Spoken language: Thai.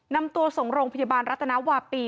นำตัวส่งโรงพยาบาลรัฐนาวาปี